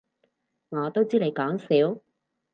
我都知你講笑